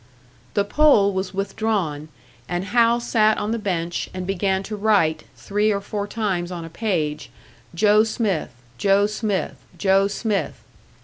The pole was withdrawn, and Hal sat on the bench, and began to write, three or four times on a page, "Joe Smith Joe Smith Joe Smith."